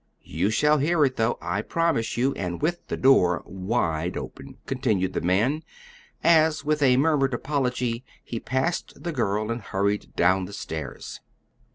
You shall hear it, though, I promise you, and with the door wide open," continued the man, as, with a murmured apology, he passed the girl and hurried down the stairs.